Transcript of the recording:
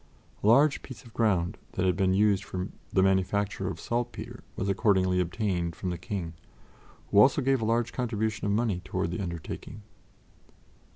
A large piece of ground that had been used for the manufacture of saltpetre was accordingly obtained from the King, who also gave a large contribution of money toward the undertaking.